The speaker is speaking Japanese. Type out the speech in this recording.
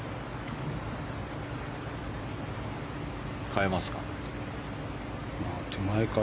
変えますか？